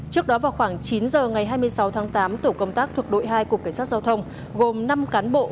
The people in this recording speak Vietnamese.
trước đó vào khoảng chín giờ ngày hai mươi sáu tháng tám tổ công tác thuộc đội hai cục cảnh sát giao thông gồm năm cán bộ